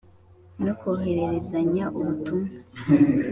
No kohererezanya ubutumwa